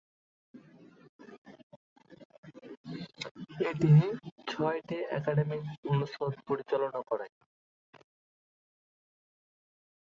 এটি ছয়টি একাডেমিক অনুষদ পরিচালনা করে।